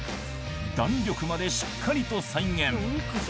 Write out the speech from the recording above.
弾力までしっかりと再現。